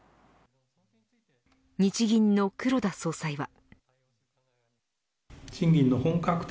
日銀の黒田総裁は。